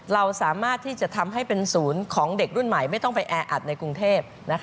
เราสามารถที่จะทำให้เป็นศูนย์ของเด็กรุ่นใหม่ไม่ต้องไปแออัดในกรุงเทพ